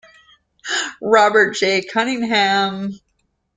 Robert J. Cunningham.